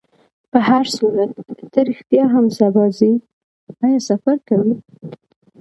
په هرصورت، ته رښتیا هم سبا ځې؟ آیا سفر کوې؟